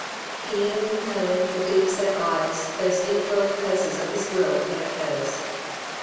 Keen and compelling, the deep set eyes, those in dwelling places of his will, met hers.